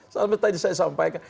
sampai tadi saya sampaikan